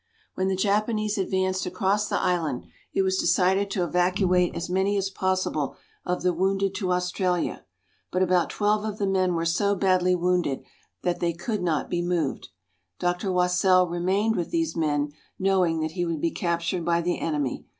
When the Japanese advanced across the island, it was decided to evacuate as many as possible of the wounded to Australia. But about twelve of the men were so badly wounded that they could not be moved. Dr. Wassell remained with these men, knowing that he would be captured by the enemy.